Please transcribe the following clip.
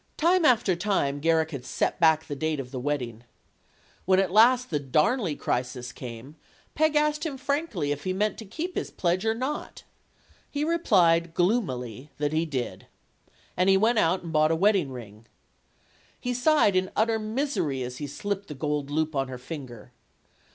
Time after time Garrick had set back the date of the wedding. When at last the Darnley crisis came, Peg asked him frankly if he meant to keep his pledge 54 STORIES OF THE SUPER WOMEN or not. He replied gloomily that he did. And he went out and bought a wedding ring. He sighed in utter misery as he slipped the gold loop on her finger.